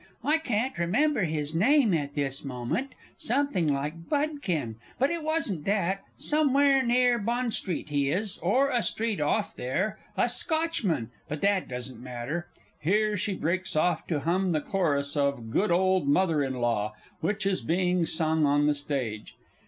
I can't remember his name at this moment something like Budkin, but it wasn't that, somewhere near Bond Street, he is, or a street off there; a Scotchman, but that doesn't matter! (_Here she breaks off to hum the Chorus of "Good Ole Mother in Law!" which is being sung on the stage.